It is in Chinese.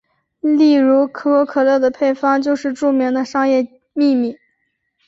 例如可口可乐的配方就是著名的商业秘密。